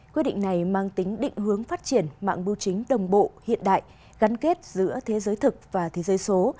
quyết định này mang tính định hướng phát triển mạng bưu chính đồng bộ hiện đại gắn kết giữa thế giới thực và thế giới số